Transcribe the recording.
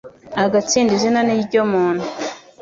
agatsinda izina niryo muntu